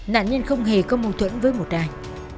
nạn nhân không hề có mâu thuẫn với một ai